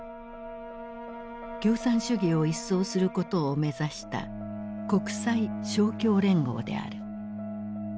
共産主義を一掃することを目指した国際勝共連合である。